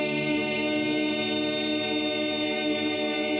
สวัสดีครับ